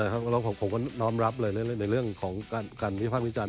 ผมก็น้องรับในเรื่องการวิทยาพาสมิจารณ์